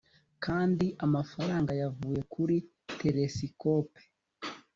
Kandi amafaranga yavuye kuri telesikope